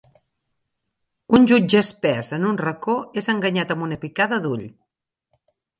Un jutge espès en un racó és enganyat amb una picada d'ull.